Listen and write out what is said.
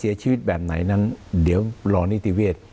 คุณจอมขอบพระคุณครับ